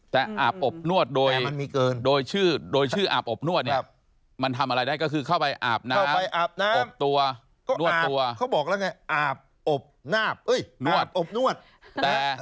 แต่อาบอบนวดโดยในชื่ออาบอบนวดมันทำอะไรได้ก็คือเข้าไปอาบน้ำอบตัวนวดตัว